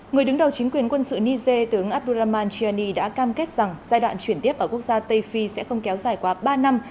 người đứng đầu chính quyền quân sự niger tướng abduraman chiani đã cam kết rằng giai đoạn chuyển tiếp ở quốc gia tây phi sẽ không kéo dài qua ba năm